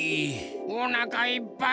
おなかいっぱい。